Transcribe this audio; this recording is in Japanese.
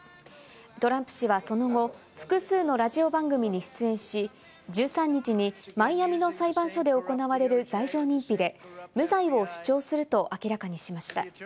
トランプ氏はその後、複数のラジオ番組に出演し、１３日にマイアミの裁判所で行われる罪状認否で、無罪を主張すると明らかにしました。